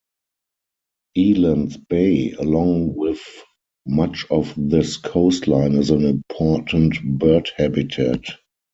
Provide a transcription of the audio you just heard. Eland's Bay along with much of this coastline is an "important" bird habitat.